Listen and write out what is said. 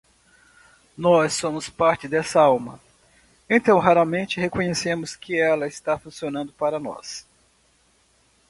Nós somos parte dessa alma?, então raramente reconhecemos que ela está funcionando para nós.